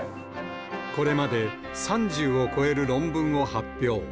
これまで、３０を超える論文を発表。